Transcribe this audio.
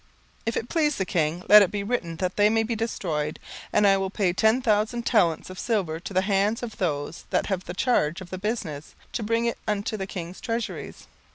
17:003:009 If it please the king, let it be written that they may be destroyed: and I will pay ten thousand talents of silver to the hands of those that have the charge of the business, to bring it into the king's treasuries.